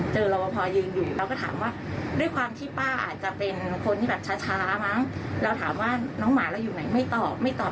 เจอละวะพอยืมเราก็ถามว่าด้วยความที่ป้าอาจจะเป็นคนที่ช้ามั้งแล้วถามว่าน้องหมาเราอยู่ไหนไม่ตอบ